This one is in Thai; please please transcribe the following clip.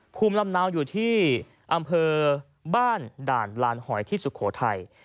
ภูมิลำเนาอยู่ที่อำเภอบ้านด่านลานหอยที่สุโขทัย